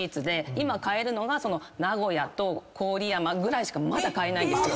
今買えるのが名古屋と郡山ぐらいしかまだ買えないんですよ。